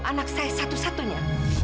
anak saya satu satunya